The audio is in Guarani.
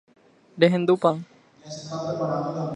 Rehendúpa?